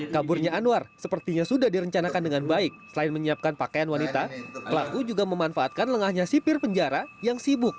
kaburnya anwar sepertinya sudah direncanakan dengan baik selain menyiapkan pakaian wanita pelaku juga memanfaatkan lengahnya sipir penjara yang sibuk